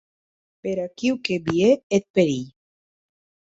Per aquiu que vie eth perilh.